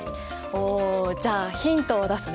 おじゃあヒントを出すね。